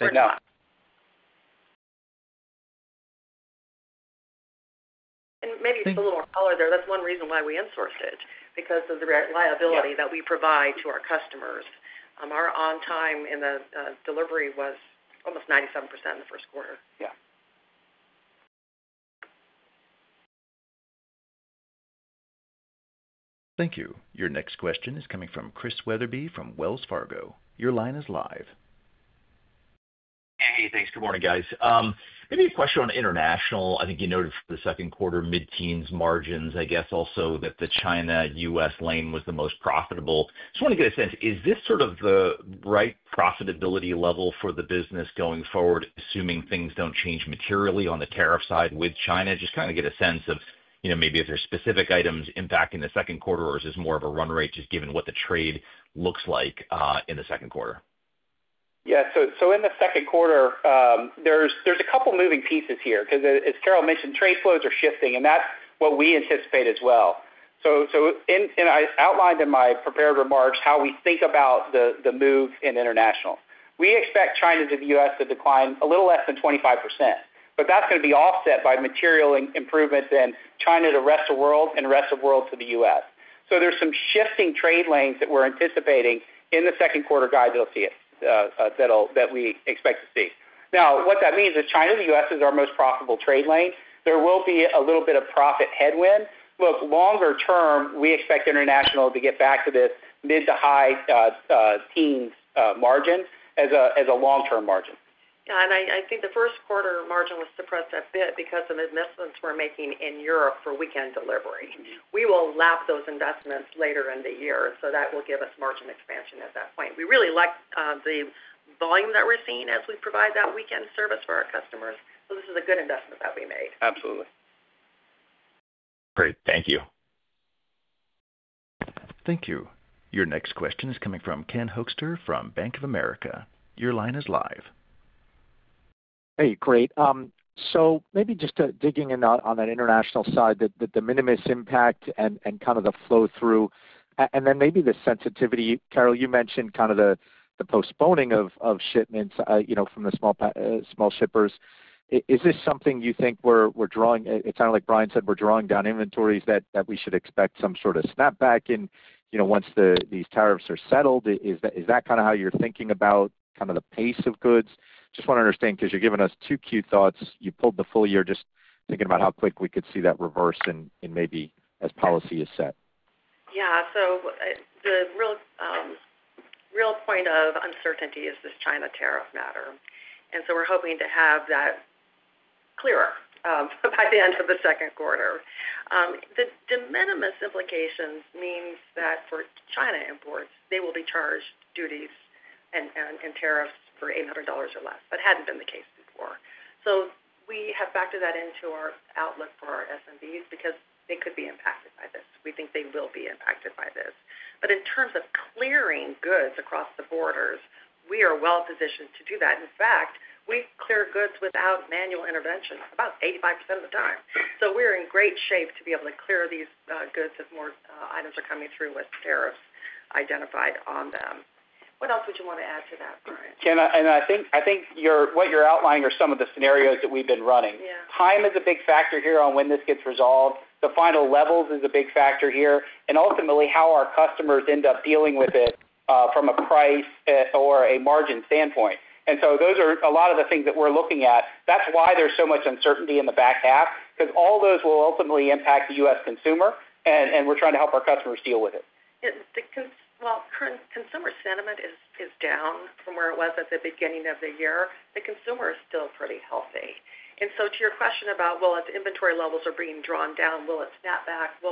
We are not. Maybe a little more color there. That's one reason why we insourced it, because of the reliability that we provide to our customers. Our on-time in the delivery was almost 97% in the first quarter. Yeah. Thank you. Your next question is coming from Chris Wetherbee from Wells Fargo. Your line is live. Hey, thanks. Good morning, guys. Maybe a question on international. I think you noted for the second quarter, mid-teens margins, I guess, also that the China-U.S. lane was the most profitable. Just want to get a sense. Is this sort of the right profitability level for the business going forward, assuming things don't change materially on the tariff side with China? Just kind of get a sense of maybe if there's specific items impacting the second quarter or is this more of a run rate just given what the trade looks like in the second quarter? Yeah. In the second quarter, there's a couple of moving pieces here because, as Carol mentioned, trade flows are shifting, and that's what we anticipate as well. I outlined in my prepared remarks how we think about the move in international. We expect China to the U.S. to decline a little less than 25%, but that's going to be offset by material improvements in China to the rest of the world and the rest of the world to the U.S. There's some shifting trade lanes that we're anticipating in the second quarter guide that we expect to see. Now, what that means is China to the U.S. is our most profitable trade lane. There will be a little bit of profit headwind. Look, longer term, we expect international to get back to this mid to high teens margin as a long-term margin. I think the first quarter margin was suppressed a bit because of investments we're making in Europe for weekend delivery. We will lap those investments later in the year, so that will give us margin expansion at that point. We really like the volume that we're seeing as we provide that weekend service for our customers. This is a good investment that we made. Absolutely. Great. Thank you. Thank you. Your next question is coming from Ken Hoexter from Bank of America. Your line is live. Great. Maybe just digging in on that international side, the de minimis impact and kind of the flow through, and then maybe the sensitivity. Carol, you mentioned kind of the postponing of shipments from the small shippers. Is this something you think we're drawing? It sounded like Brian said we're drawing down inventories that we should expect some sort of snapback in once these tariffs are settled. Is that kind of how you're thinking about kind of the pace of goods? Just want to understand because you're giving us 2Q thoughts. You pulled the full year just thinking about how quick we could see that reverse and maybe as policy is set. Yeah. The real point of uncertainty is this China tariff matter. We are hoping to have that clearer by the end of the second quarter. The de minimis implication means that for China imports, they will be charged duties and tariffs for $800 or less. That had not been the case before. We have factored that into our outlook for our SMBs because they could be impacted by this. We think they will be impacted by this. In terms of clearing goods across the borders, we are well positioned to do that. In fact, we clear goods without manual intervention about 85% of the time. We are in great shape to be able to clear these goods if more items are coming through with tariffs identified on them. What else would you want to add to that, Brian? I think what you're outlining are some of the scenarios that we've been running. Time is a big factor here on when this gets resolved. The final levels is a big factor here. Ultimately, how our customers end up dealing with it from a price or a margin standpoint. Those are a lot of the things that we're looking at. That is why there's so much uncertainty in the back half because all those will ultimately impact the U.S. Consumer, and we're trying to help our customers deal with it. Current consumer sentiment is down from where it was at the beginning of the year. The consumer is still pretty healthy. To your question about, if inventory levels are being drawn down, will it snap back?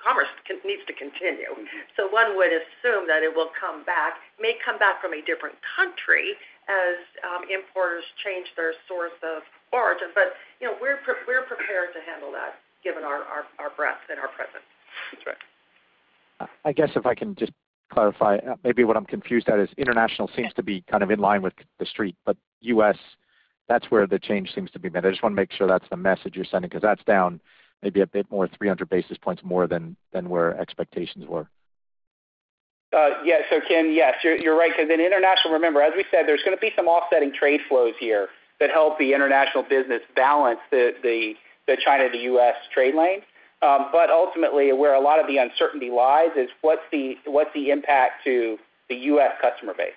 Commerce needs to continue. One would assume that it will come back, may come back from a different country as importers change their source of origin. We are prepared to handle that given our breadth and our presence. That's right. I guess if I can just clarify, maybe what I'm confused at is international seems to be kind of in line with the Street, but U.S., that's where the change seems to be made. I just want to make sure that's the message you're sending because that's down maybe a bit more 300 basis points more than where expectations were. Yeah. Ken, yes, you're right because in international, remember, as we said, there's going to be some offsetting trade flows here that help the international business balance the China to the U.S. trade lane. Ultimately, where a lot of the uncertainty lies is what's the impact to the U.S. customer base?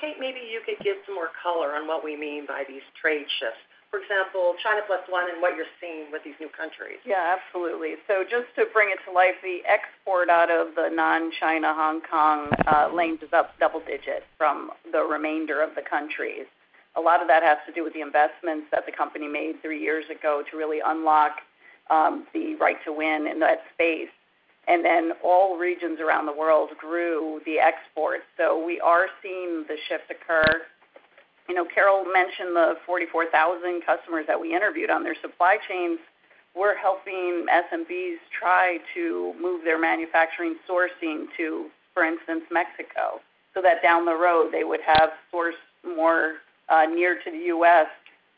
Kate, maybe you could give some more color on what we mean by these trade shifts. For example, China Plus One and what you're seeing with these new countries. Yeah, absolutely. Just to bring it to life, the export out of the non-China Hong Kong lane is up double digits from the remainder of the countries. A lot of that has to do with the investments that the company made three years ago to really unlock the right to win in that space. All regions around the world grew the export. We are seeing the shift occur. Carol mentioned the 44,000 customers that we interviewed on their supply chains. We're helping SMBs try to move their manufacturing sourcing to, for instance, Mexico, so that down the road they would have sourced more near to the U.S.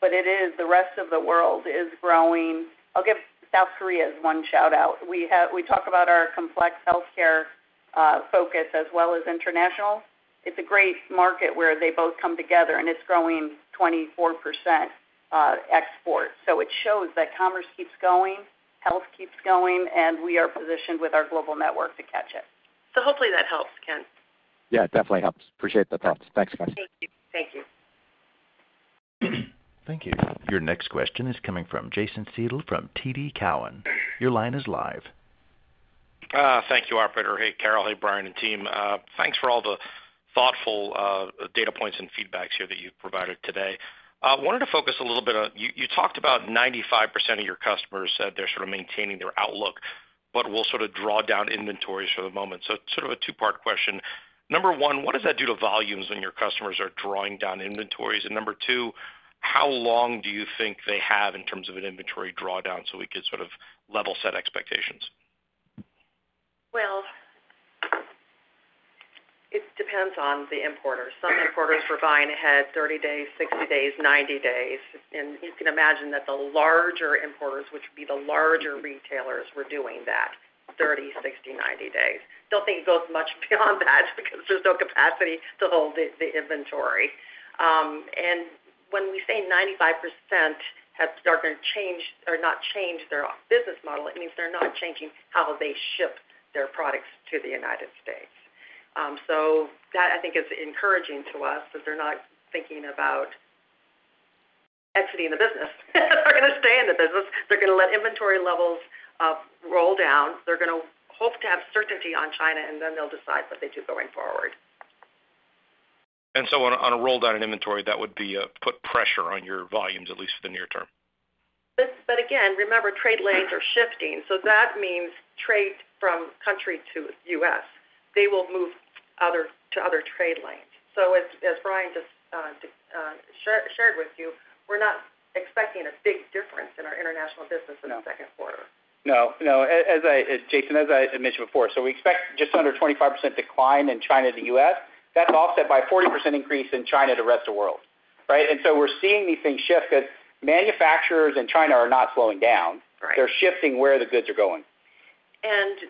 The rest of the world is growing. I'll give South Korea one shout-out. We talk about our complex healthcare focus as well as international. It's a great market where they both come together, and it's growing 24% export. It shows that commerce keeps going, health keeps going, and we are positioned with our global network to catch it. Hopefully that helps, Ken. Yeah, it definitely helps. Appreciate the thoughts. Thanks, guys. Thank you. Thank you. Thank you. Your next question is coming from Jason Seidl from TD Cowen. Your line is live. Thank you, operator. Hey, Carol, hey, Brian, and team. Thanks for all the thoughtful data points and feedback here that you've provided today. I wanted to focus a little bit on you talked about 95% of your customers said they're sort of maintaining their outlook, but will sort of draw down inventories for the moment. It's sort of a two-part question. Number one, what does that do to volumes when your customers are drawing down inventories? And number two, how long do you think they have in terms of an inventory drawdown so we could sort of level set expectations? It depends on the importer. Some importers were buying ahead 30 days, 60 days, 90 days. You can imagine that the larger importers, which would be the larger retailers, were doing that 30, 60, 90 days. I do not think it goes much beyond that because there is no capacity to hold the inventory. When we say 95% have started to change or not change their business model, it means they are not changing how they ship their products to the United States. That, I think, is encouraging to us because they are not thinking about exiting the business. They are going to stay in the business. They are going to let inventory levels roll down. They are going to hope to have certainty on China, and then they will decide what they do going forward. On a roll down in inventory, that would put pressure on your volumes, at least for the near term. Again, remember, trade lanes are shifting. That means trade from country to U.S. They will move to other trade lanes. As Brian just shared with you, we're not expecting a big difference in our international business in the second quarter. No. No. As Jason, as I mentioned before, we expect just under 25% decline in China to the U.S. That's offset by a 40% increase in China to the rest of the world. Right? We're seeing these things shift because manufacturers in China are not slowing down. They're shifting where the goods are going.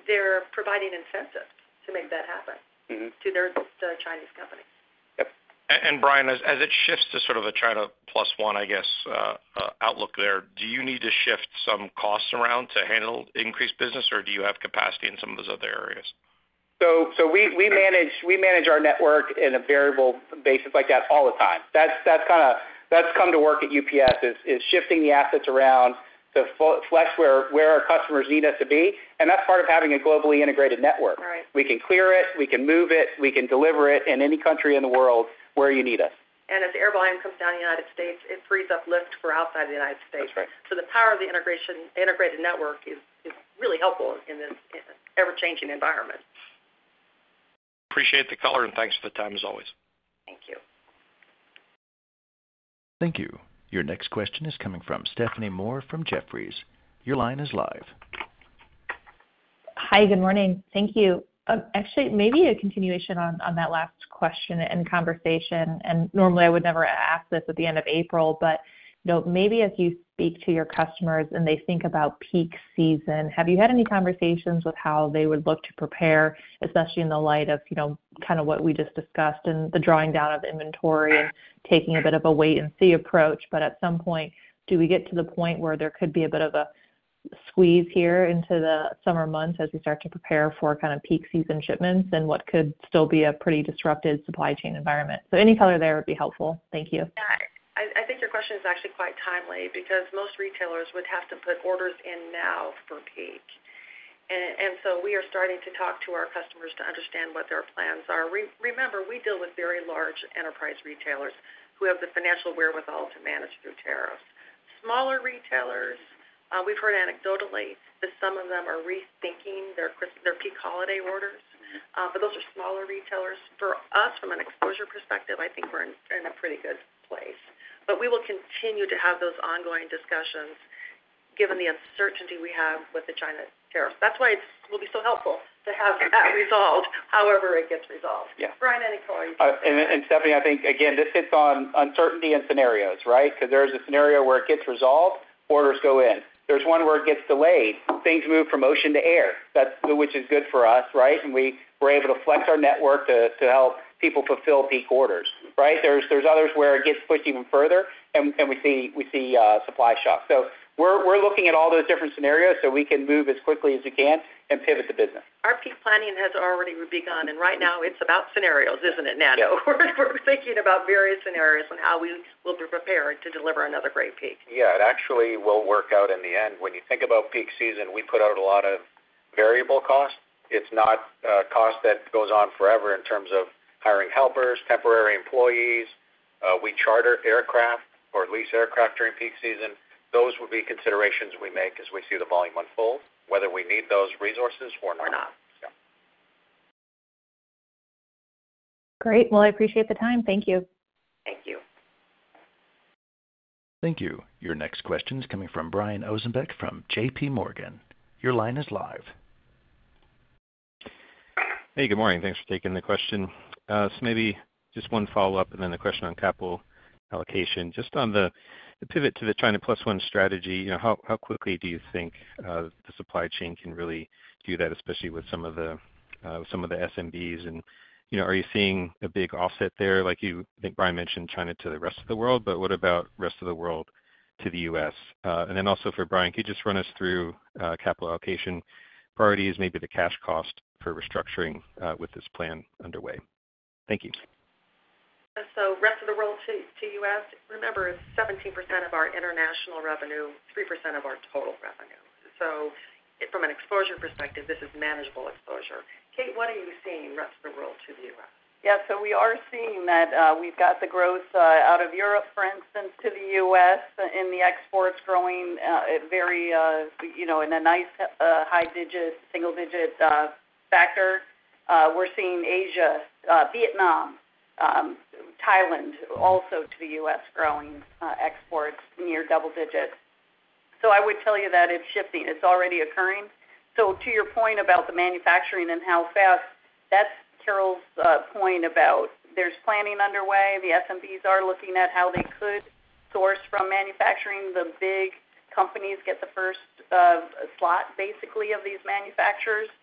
They're providing incentives to make that happen to the Chinese companies. Yep. Brian, as it shifts to sort of a China plus one, I guess, outlook there, do you need to shift some costs around to handle increased business, or do you have capacity in some of those other areas? We manage our network in a variable basis like that all the time. That comes to work at UPS is shifting the assets around to flex where our customers need us to be. That is part of having a globally integrated network. We can clear it. We can move it. We can deliver it in any country in the world where you need us. As air volume comes down in the United States, it frees up lift for outside of the United States. The power of the integrated network is really helpful in this ever-changing environment. Appreciate the color, and thanks for the time as always. Thank you. Thank you. Your next question is coming from Stephanie Moore from Jefferies. Your line is live. Hi. Good morning. Thank you. Actually, maybe a continuation on that last question and conversation. Normally, I would never ask this at the end of April, but maybe as you speak to your customers and they think about peak season, have you had any conversations with how they would look to prepare, especially in the light of kind of what we just discussed and the drawing down of inventory and taking a bit of a wait-and-see approach? At some point, do we get to the point where there could be a bit of a squeeze here into the summer months as we start to prepare for kind of peak season shipments and what could still be a pretty disrupted supply chain environment? Any color there would be helpful. Thank you. Yeah. I think your question is actually quite timely because most retailers would have to put orders in now for peak. We are starting to talk to our customers to understand what their plans are. Remember, we deal with very large enterprise retailers who have the financial wherewithal to manage through tariffs. Smaller retailers, we've heard anecdotally that some of them are rethinking their peak holiday orders. Those are smaller retailers. For us, from an exposure perspective, I think we're in a pretty good place. We will continue to have those ongoing discussions given the uncertainty we have with the China tariffs. That is why it will be so helpful to have that resolved however it gets resolved. Brian, any color you can? Stephanie, I think, again, this hits on uncertainty and scenarios, right? There is a scenario where it gets resolved, orders go in. There is one where it gets delayed, things move from ocean to air, which is good for us, right? We're able to flex our network to help people fulfill peak orders, right? There are others where it gets pushed even further, and we see supply shocks. We are looking at all those different scenarios so we can move as quickly as we can and pivot the business. Our peak planning has already begun. Right now, it's about scenarios, isn't it, Nando? We're thinking about various scenarios on how we will be prepared to deliver another great peak. Yeah. It actually will work out in the end. When you think about peak season, we put out a lot of variable costs. It's not a cost that goes on forever in terms of hiring helpers, temporary employees. We charter aircraft or lease aircraft during peak season. Those would be considerations we make as we see the volume unfold, whether we need those resources or not. Great. I appreciate the time. Thank you. Thank you. Your next question is coming from Brian Ossenbeck from J.P. Morgan. Your line is live. Hey, good morning. Thanks for taking the question. Maybe just one follow-up and then a question on capital allocation. Just on the pivot to the China plus one strategy, how quickly do you think the supply chain can really do that, especially with some of the SMBs? Are you seeing a big offset there? You think Brian mentioned China to the rest of the world, but what about the rest of the world to the U.S.? Also for Brian, could you just run us through capital allocation priorities, maybe the cash cost for restructuring with this plan underway? Thank you. Rest of the world to U.S., remember, it's 17% of our international revenue, 3% of our total revenue. From an exposure perspective, this is manageable exposure. Kate, what are you seeing in the rest of the world to the U.S.? Yeah. We are seeing that we've got the growth out of Europe, for instance, to the U.S. in the exports growing in a nice high single-digit factor. We're seeing Asia, Vietnam, Thailand also to the U.S. growing exports near double digits. I would tell you that it's shifting. It's already occurring. To your point about the manufacturing and how fast, that's Carol's point about there's planning underway. The SMBs are looking at how they could source from manufacturing. The big companies get the first slot, basically, of these manufacturers.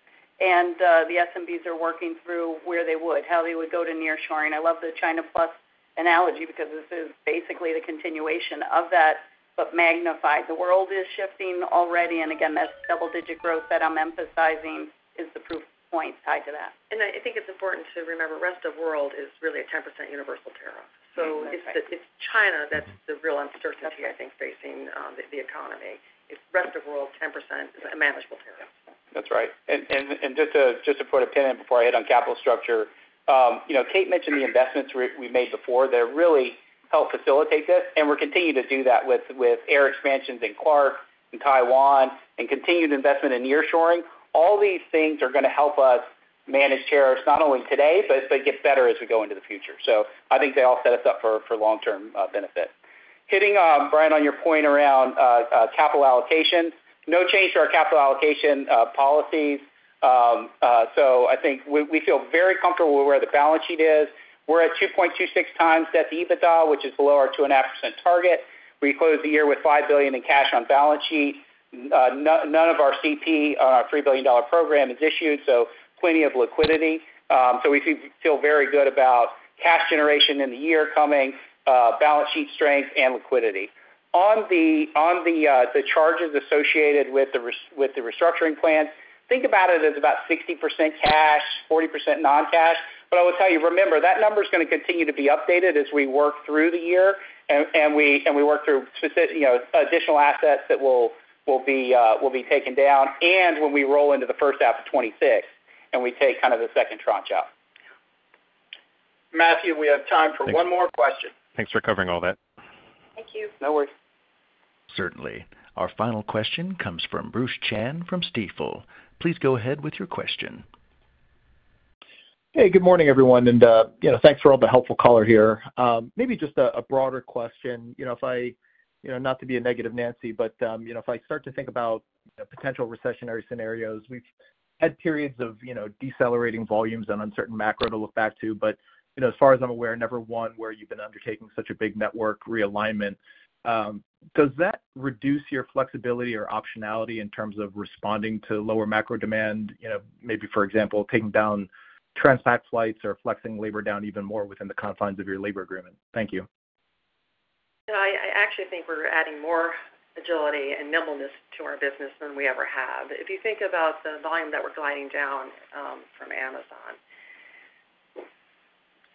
The SMBs are working through where they would, how they would go to nearshoring. I love the China plus analogy because this is basically the continuation of that but magnified. The world is shifting already. Again, that double-digit growth that I'm emphasizing is the proof point tied to that. I think it's important to remember rest of world is really a 10% universal tariff. It is China that's the real uncertainty, I think, facing the economy. Rest of world, 10% is a manageable tariff. That's right. Just to put a pin in before I hit on capital structure, Kate mentioned the investments we've made before that really help facilitate this. We're continuing to do that with air expansions in Clark and Taiwan and continued investment in nearshoring. All these things are going to help us manage tariffs not only today but get better as we go into the future. I think they all set us up for long-term benefit. Hitting, Brian, on your point around capital allocation, no change to our capital allocation policies. I think we feel very comfortable where the balance sheet is. We're at 2.26 times debt to EBITDA, which is below our 2.5% target. We closed the year with $5 billion in cash on balance sheet. None of our CP on our $3 billion program is issued, so plenty of liquidity. We feel very good about cash generation in the year coming, balance sheet strength, and liquidity. On the charges associated with the restructuring plan, think about it as about 60% cash, 40% non-cash. I will tell you, remember, that number is going to continue to be updated as we work through the year and we work through additional assets that will be taken down and when we roll into the first half of 2026 and we take kind of the second tranche out. Matthew, we have time for one more question. Thanks for covering all that. Thank you. No worries. Certainly. Our final question comes from Bruce Chan from Stifel. Please go ahead with your question. Hey, good morning, everyone. And thanks for all the helpful color here. Maybe just a broader question. If I not to be a Negative Nancy, but if I start to think about potential recessionary scenarios, we've had periods of decelerating volumes on uncertain macro to look back to. As far as I'm aware, never one where you've been undertaking such a big network realignment. Does that reduce your flexibility or optionality in terms of responding to lower macro demand, maybe, for example, taking down transat flights or flexing labor down even more within the confines of your labor agreement? Thank you. I actually think we're adding more agility and nimbleness to our business than we ever have. If you think about the volume that we're gliding down from Amazon,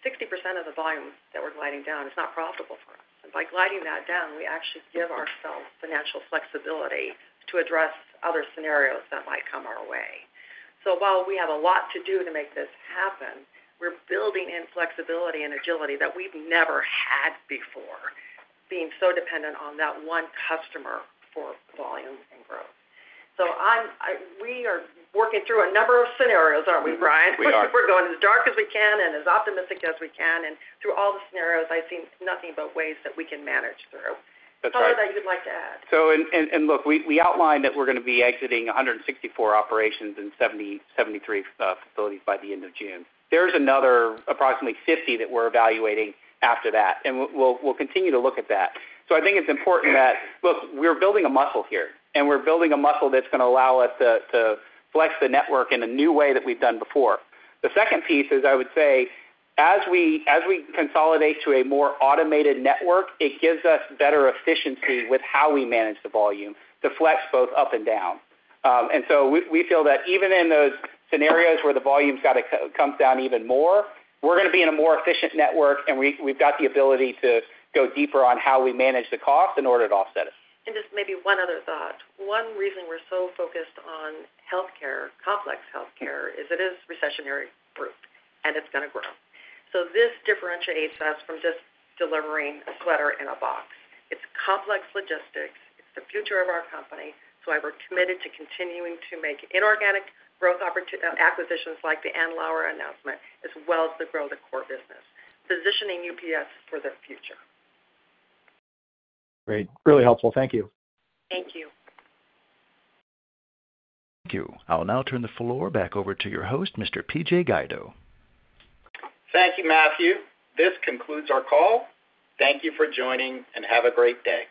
60% of the volume that we're gliding down is not profitable for us. By gliding that down, we actually give ourselves financial flexibility to address other scenarios that might come our way. While we have a lot to do to make this happen, we're building in flexibility and agility that we've never had before, being so dependent on that one customer for volume and growth. We are working through a number of scenarios, aren't we, Brian? We are. We're going as dark as we can and as optimistic as we can. Through all the scenarios, I've seen nothing but ways that we can manage through. That's right. Tell me that you'd like to add. Look, we outlined that we're going to be exiting 164 operations and 73 facilities by the end of June. There's another approximately 50 that we're evaluating after that. We'll continue to look at that. I think it's important that, look, we're building a muscle here. We're building a muscle that's going to allow us to flex the network in a new way that we've done before. The second piece is, I would say, as we consolidate to a more automated network, it gives us better efficiency with how we manage the volume to flex both up and down. We feel that even in those scenarios where the volume comes down even more, we're going to be in a more efficient network, and we've got the ability to go deeper on how we manage the cost in order to offset it. Just maybe one other thought. One reason we're so focused on healthcare, complex healthcare, is it is recessionary proof, and it's going to grow. This differentiates us from just delivering a sweater in a box. It's complex logistics. It's the future of our company. We're committed to continuing to make inorganic growth acquisitions like the Andlauer announcement, as well as the growth of core business, positioning UPS for the future. Great. Really helpful. Thank you. Thank you. Thank you. I'll now turn the floor back over to your host, Mr. PJ Guido. Thank you, Matthew. This concludes our call. Thank you for joining and have a great day.